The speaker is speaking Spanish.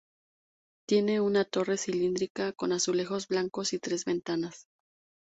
Tiene una torre cilíndrica con azulejos blancos y tres ventanas.